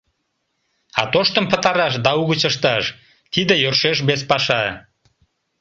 А тоштым пытараш да угыч ышташ — тиде йӧршеш вес паша.